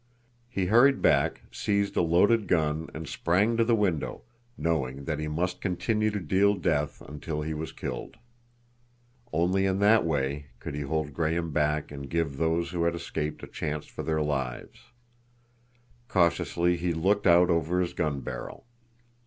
He hurried back, seized a loaded gun, and sprang to the window, knowing that he must continue to deal death until he was killed. Only in that way could he hold Graham back and give those who had escaped a chance for their lives. Cautiously he looked out over his gun barrel.